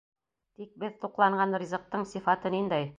Тик беҙ туҡланған ризыҡтың сифаты ниндәй?